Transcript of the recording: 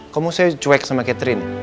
kamu saya cuek sama catherine